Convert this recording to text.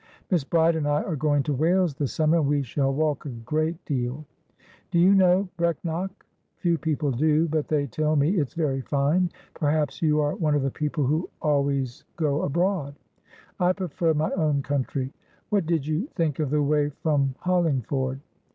Miss Bride and I are going to Wales this summer, and we shall walk a great deal. Do you know Brecknock? Few people do, but they tell me it's very fine. Perhaps you are one of the people who always go abroad? I prefer my own country. What did you think of the way from Hollingford?"